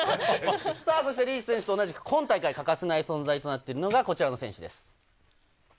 リーチ選手と同じく、今大会、欠かせない存在となっているのがこの選手です。